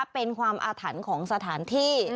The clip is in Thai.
เป็นความอาถรรพ์ของสถานที่